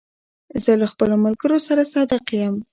زه له خپلو ملګرو سره صادق یم.